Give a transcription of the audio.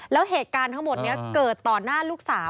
แล้วเหตุการณ์ทั้งหมดนี้เกิดต่อหน้าลูกสาว